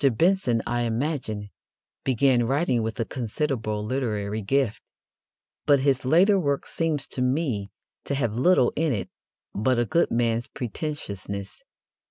Benson, I imagine, began writing with a considerable literary gift, but his later work seems to me to have little in it but a good man's pretentiousness.